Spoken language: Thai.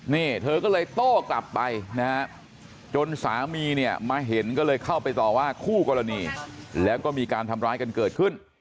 นี่เธอก็เลยโต้กลับไปนะฮะจนสามีเนี่ยมาเห็นก็เลยเข้าไปต่อว่าคู่กรณีแล้วก็มีการทำร้ายกันเกิดขึ้น